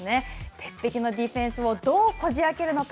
鉄壁のディフェンスをどうこじあけるのか。